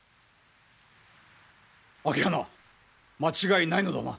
朱鼻間違いないのだな？